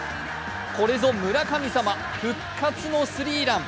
これぞ村神様復活のスリーラン。